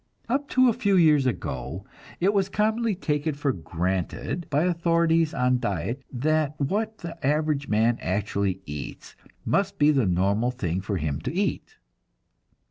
Up to a few years ago, it was commonly taken for granted by authorities on diet that what the average man actually eats must be the normal thing for him to eat.